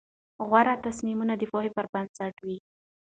غوره تصمیمونه د پوهې پر بنسټ وي.